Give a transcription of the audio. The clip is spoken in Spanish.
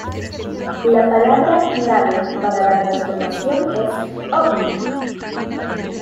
La palabra clave para la transformación es '¡Ovni!